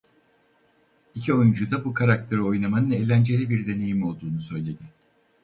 İki oyuncu da bu karakteri oynamanın eğlenceli bir deneyim olduğunu söyledi.